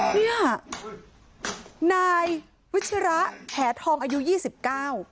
เนี่ยนายวิชิระแขทองอายุยี่สิบเก้า